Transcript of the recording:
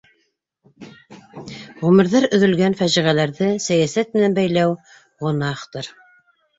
Ғүмерҙәр өҙөлгән фажиғәләрҙе сәйәсәт менән бәйләү — гонаһтыр.